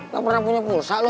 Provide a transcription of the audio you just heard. gak pernah punya pulsa loh